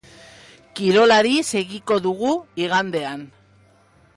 Kirolari segiko dugu igandean.